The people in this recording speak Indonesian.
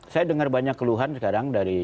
saya dengar banyak keluhan sekarang dari